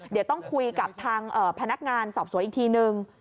เดี๋ยวต้องคุยกับทางพนักงานสอบสวนอีกทีนึง